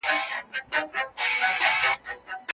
یو ته یې مڼه او بل ته مه ورکوئ.